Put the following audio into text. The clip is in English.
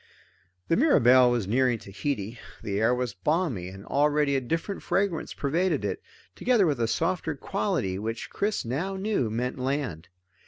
The Mirabelle was nearing Tahiti. The air was balmy, and already a different fragrance pervaded it, together with a softer quality which Chris now knew meant land.